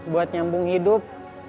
buat nyambung hidup